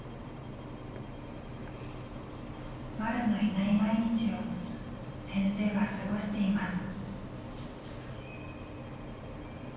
まるのいない毎日を先生は過ごしています。